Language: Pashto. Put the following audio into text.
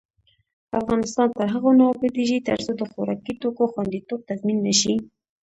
افغانستان تر هغو نه ابادیږي، ترڅو د خوراکي توکو خوندیتوب تضمین نشي.